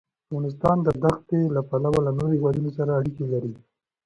افغانستان د دښتې له پلوه له نورو هېوادونو سره اړیکې لري.